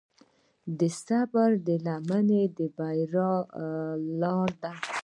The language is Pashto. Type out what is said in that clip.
د صبر لمن د بریا لاره ده.